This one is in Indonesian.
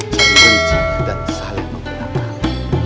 saling renci dan saling membelakang